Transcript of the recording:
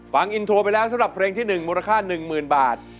ฟังอินโทรไปแล้วสำหรับเพลงที่๑มูลค่า๑๐๐๐บาท